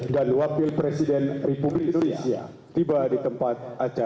lagu kebangsaan indonesia raya